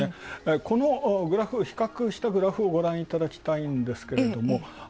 このグラフ、比較したグラフをごらんいただきたいんですけども。